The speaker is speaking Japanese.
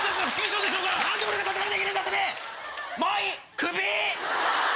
クビ！